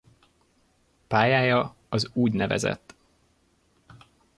Pályája az ú.n.